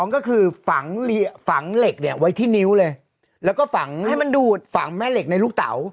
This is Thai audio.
๒ก็คือฝังเหล็กไว้ที่นิ้วเลยแล้วก็ฝังแม่เหล็กในลูกเต๋า